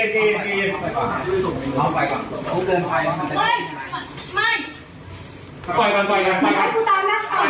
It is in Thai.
ก็สิทธิ์ของกูเหมือนกัน